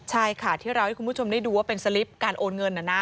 ใช่ค่ะที่เราให้คุณผู้ชมได้ดูว่าเป็นสลิปการโอนเงิน